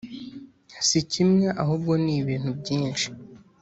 si kimwe ahubwo nibintu byinshi